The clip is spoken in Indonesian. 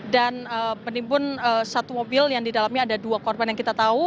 dan penimbun satu mobil yang di dalamnya ada dua korban yang kita tahu